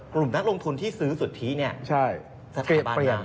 กลุ่มนักลงทุนที่ซื้อสุดที่เนี่ย